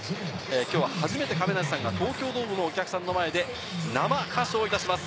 きょうは初めて亀梨さんがこの東京ドームのお客様の前で生歌唱します。